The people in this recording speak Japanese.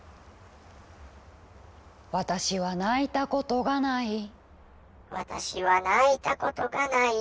「私は泣いたことがない」「私は泣いたことがない」